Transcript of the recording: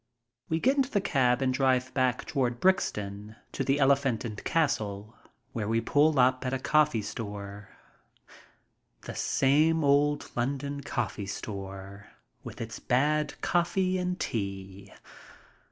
We get into a cab and drive back toward Brixton to the Elephant and Castle, where we pull up at a coffee store. The same old London coffee store, with its bad coffee and tea.